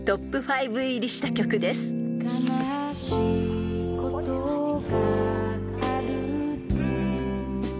「悲しいことがあると」